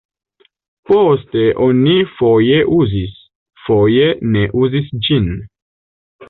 Poste oni foje uzis, foje ne uzis ĝin.